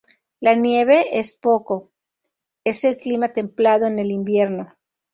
La nieve es poco, es el clima templado en el invierno.